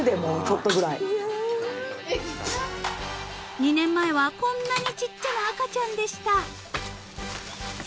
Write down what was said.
［２年前はこんなにちっちゃな赤ちゃんでした］